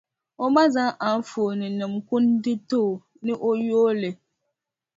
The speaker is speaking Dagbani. O ma zaŋ anfooninima kundi n-ti o, ni o yooi li.